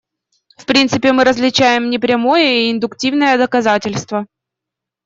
В принципе, мы различаем непрямое и индуктивное доказательство.